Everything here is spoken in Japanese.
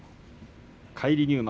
返り入幕